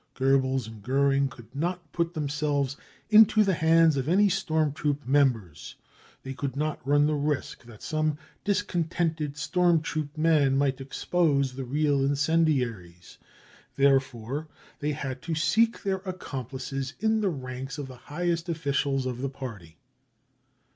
Goebbels and Goering could not put themselves into the hands of any storm troop members ; they could I36 BROWN BOOK OF THE HITLER TERROR not run the risk that some discontented storm troop man « plight expose the real incendiaries. Therefore they had to seek their accomplices in the ranks of the highest officials of the party.